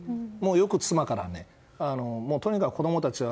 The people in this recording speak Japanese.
よく妻から、とにかく子供たちは